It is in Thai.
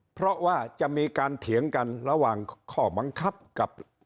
เพราะว่าจะมีการเถียงกันระหว่างข้อบังคับกับ